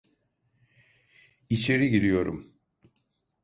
İçeri giriyorum.